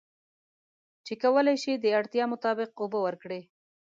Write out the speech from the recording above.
چې کولی شي د اړتیا مطابق اوبه ورکړي.